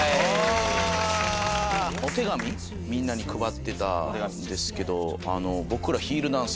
お手紙みんなに配ってたんですけど。